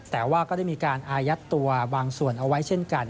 แต่ว่าก็ได้มีการอายัดตัวบางส่วนเอาไว้เช่นกัน